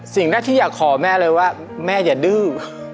สิ่งแรกที่อยากขอแม่เลยว่าแม่อย่าดื้อ